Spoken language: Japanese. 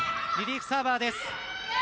リリーフサーバーです。